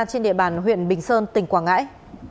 trên địa bàn huyện bình sơn tỉnh quảng ngãi